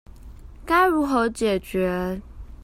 該如何解決